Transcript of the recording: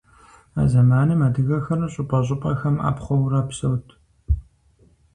А зэманым адыгэхэр щӀыпӀэ-щӀыпӀэхэм Ӏэпхъуэурэ псэут.